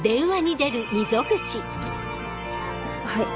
はい。